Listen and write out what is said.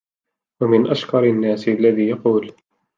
وَمِنْ أَشْكَرِ النَّاسِ الَّذِي يَقُولُ